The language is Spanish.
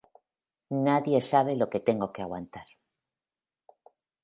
Nadie sabe lo que tengo que aguantar.